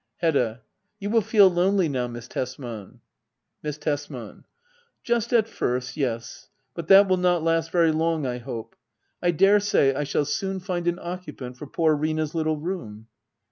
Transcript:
Hbdda. You will feel lonely now. Miss Tesman. Miss Tesman. Just at first, yes. But that will not last very long, I hope. I daresay I shall soon find an occu pant for poor Rina's little room.